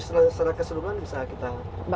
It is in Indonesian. seragam keseluruhan bisa kita